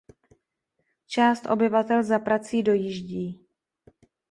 Část obyvatel za prací dojíždí.